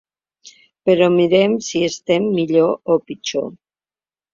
Però mirem si estem millor o pitjor.